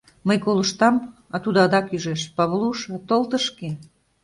Мый колыштам; а тудо адак ӱжеш: "Павлуша, тол тышке".